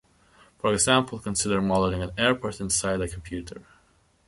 For example, consider modelling an airport inside a computer.